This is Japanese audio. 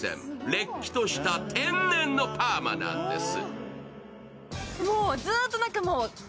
れっきとした天然のパーマなんです。